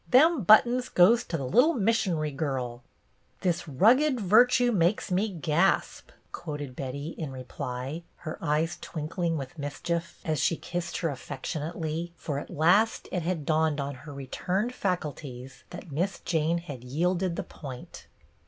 Them buttons goes to the little mission'ry girl." "' This rugged virtue makes me gasp,'" quoted Betty, in reply, her eyes twinkling with mischief as she kissed her affection BETTY BAIRD 3 ° ately, for at last it liad dawned on her re turned faculties that Miss Jane had yielded the point.